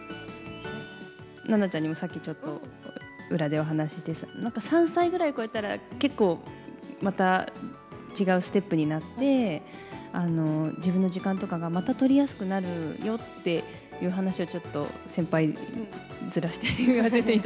菜名ちゃんにもさっきちょっと裏でお話ししたんですけど、３歳ぐらい超えたら、結構、また違うステップになって、自分の時間とかが、また取りやすくなるよっていう話をちょっと先輩面して言わせてい